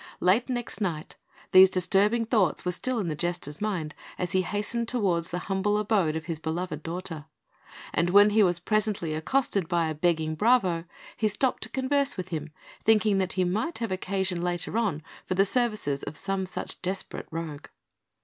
Late next night, these disturbing thoughts were still in the Jester's mind as he hastened towards the humble abode of his beloved daughter; and when he was presently accosted by a begging bravo, he stopped to converse with him, thinking that he might have occasion later on for the services of some such desperate rogue.